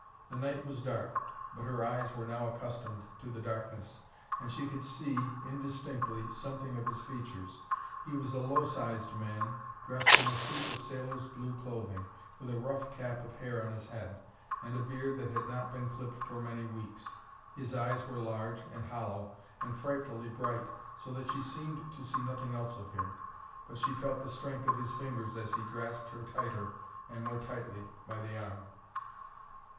The night was dark; but her eyes were now accustomed to the darkness, and she could see indistinctly something of his features. He was a low sized man, dressed in a suit of sailor's blue clothing, with a rough cap of hair on his head, and a beard that had not been clipped for many weeks. His eyes were large, and hollow, and frightfully bright, so that she seemed to see nothing else of him; but she felt the strength of his fingers as he grasped her tighter and more tightly by the arm.